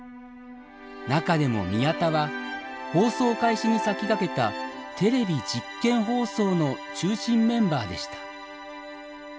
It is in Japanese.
中でも宮田は放送開始に先駆けたテレビ実験放送の中心メンバーでした。